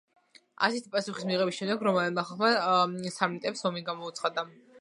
ასეთი პასუხის მიღების შემდეგ რომაელმა ხალხმა სამნიტებს ომი გამოუცხადა.